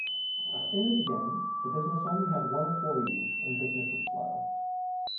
In the beginning the business only had one employee and business was slow.